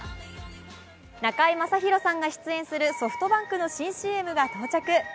中居正広さんが出演するソフトバンクの新ＣＭが到着。